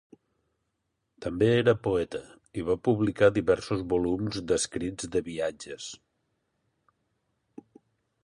També era poeta i va publicar diversos volums d'escrits de viatges.